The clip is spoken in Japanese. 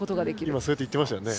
今そうやって言ってましたよね。